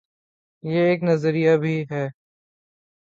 یہ ایک نظریہ بھی ہے۔